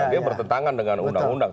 dia bertentangan dengan undang undang